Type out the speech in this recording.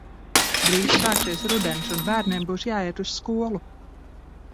Drīz sāksies rudens un bērniem būs jāiet uz skolu.